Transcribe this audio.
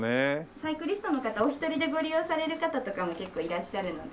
サイクリストの方お一人でご利用される方とかも結構いらっしゃるので。